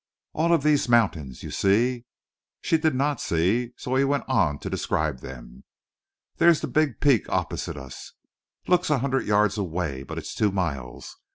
"All of these mountains you see?" She did not see, so he went on to describe them. "There's that big peak opposite us. Looks a hundred yards away, but it's two miles.